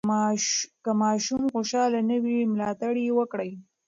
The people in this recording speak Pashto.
که ماشوم خوشحاله نه وي، ملاتړ یې وکړئ.